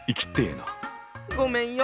ごめんよ